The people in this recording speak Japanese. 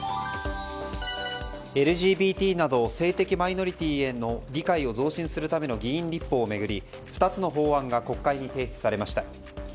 ＬＧＢＴなど性的マイノリティーへの理解を増進するための議員立法を巡り、２つの法案が国会に提出されました。